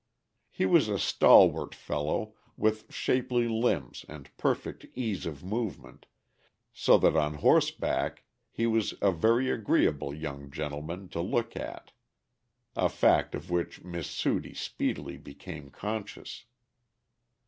He was a stalwart fellow, with shapely limbs and perfect ease of movement, so that on horseback he was a very agreeable young gentleman to look at, a fact of which Miss Sudie speedily became conscious.